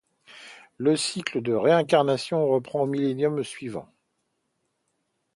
Le cycle de réincarnation reprend au millénium suivant.